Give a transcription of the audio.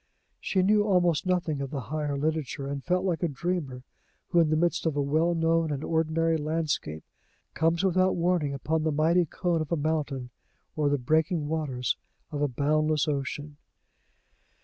She knew almost nothing of the higher literature, and felt like a dreamer who, in the midst of a well known and ordinary landscape, comes without warning upon the mighty cone of a mountain, or the breaking waters of a boundless ocean.